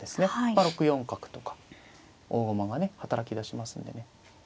まあ６四角とか大駒がね働きだしますんでね。